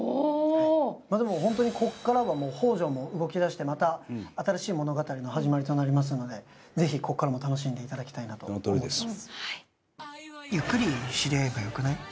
でも、本当にここからは宝条も動き出してまた新しい物語の始まりとなりますので、ぜひここからも楽しんでいただきたいなと思います。